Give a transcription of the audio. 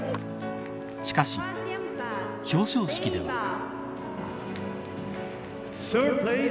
しかし、表彰式では。